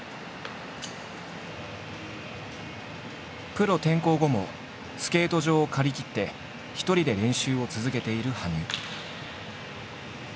プロ転向後もスケート場を借り切って一人で練習を続けている羽生。